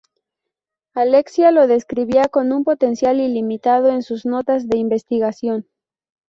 Alexia lo describía con un potencial ilimitado en sus notas de investigación.